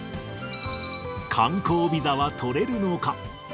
観光ビザは取れるのか。